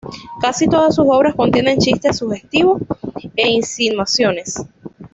Casi todas sus obras contienen chistes sugestivos e insinuaciones.